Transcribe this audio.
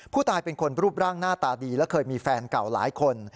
ผู้ตายเป็นคนรูปร่างหน้าตาดีและเคยมีแฟนเก่าหลายคน